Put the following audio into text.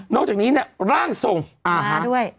จากนี้เนี่ยร่างทรงมาด้วย